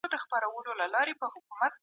قناعت لرل د زړه د ارامۍ سبب ګرځي.